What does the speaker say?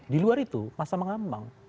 di luar itu masa mengambang